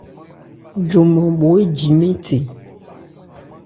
Joman bho éji mɛ́n the.